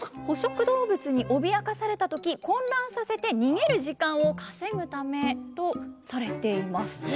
捕食動物に脅かされた時混乱させて逃げる時間を稼ぐためとされています。